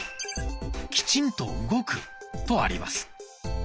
「きちんと動く」とあります。